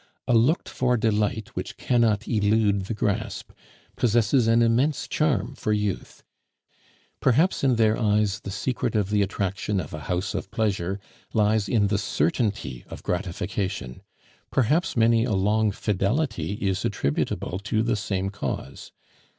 A looked for delight which cannot elude the grasp possesses an immense charm for youth; perhaps in their eyes the secret of the attraction of a house of pleasure lies in the certainty of gratification; perhaps many a long fidelity is attributable to the same cause.